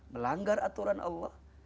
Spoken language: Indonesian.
melanggar aturan allah